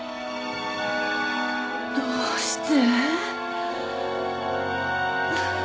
どうして。